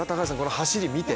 走りを見て。